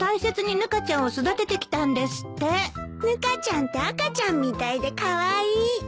ぬかちゃんって赤ちゃんみたいでカワイイ。